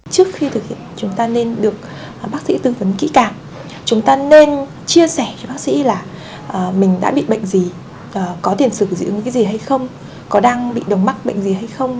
trước khi thực hiện chúng ta nên được bác sĩ tư vấn kỹ cảm chúng ta nên chia sẻ cho bác sĩ là mình đã bị bệnh gì có tiền sử dị ứng cái gì hay không có đang bị đồng mắc bệnh gì hay không